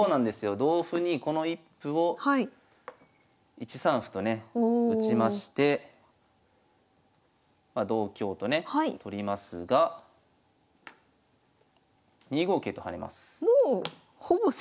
同歩にこの１歩を１三歩とね打ちましてま同香とね取りますが２五桂と跳ねます。